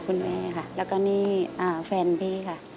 คุณแม่ค่ะแล้วก็นี่แฟนพี่ค่ะ